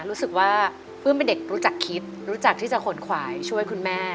รู้สึกว่าปลื้มเป็นเด็กรู้จักคิดรู้จักที่จะขนขวายช่วยคุณแม่